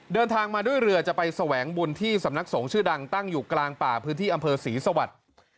เดินทางมาด้วยเรือจะไปแสวงบุญที่สำนักสงฆ์ชื่อดังตั้งอยู่กลางป่าพื้นที่อำเภอศรีสวรรค์